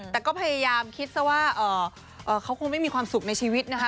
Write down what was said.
แต่ก็พยายามคิดซะว่าเขาคงไม่มีความสุขในชีวิตนะคะ